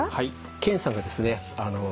剣さんがですね